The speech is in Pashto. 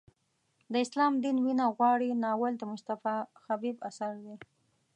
د اسلام دین وینه غواړي ناول د مصطفی خبیب اثر دی.